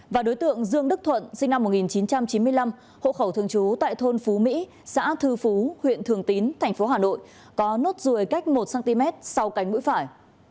và đối tượng dương đức thuận sinh năm một nghìn chín trăm chín mươi năm hộ khẩu thường trú tại thôn phú mỹ xã thư phú huyện thường tín tp hà nội có nốt ruồi cách một cm sau cánh mũi phải